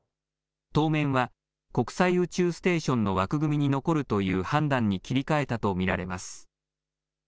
当面は国際宇宙ステーションの枠組みに残るという判断に切り替えたと見られます。